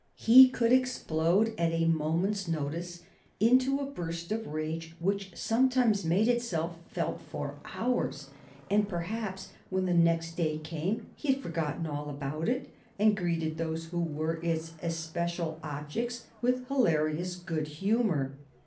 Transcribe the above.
He could explode at a moment's notice into a burst of rage which sometimes made itself felt for hours, and perhaps when the next day came he had forgotten all about it and greeted those who were its especial objects with hilarious good humor.